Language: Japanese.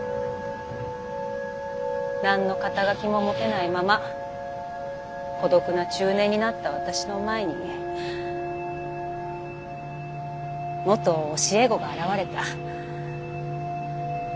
何の肩書も持てないまま孤独な中年になった私の前に元教え子が現れた。